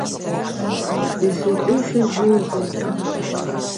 Йшихӏвушыз гьйымдыртӏ.